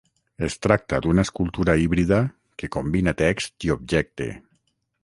Es tracta d'una escultura híbrida que combina text i objecte.